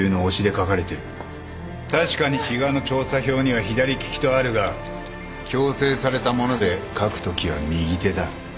確かに比嘉の調査票には左利きとあるが矯正されたもので書くときは右手だ。